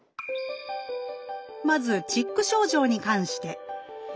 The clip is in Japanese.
まずチック症状に関して。